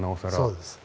そうです。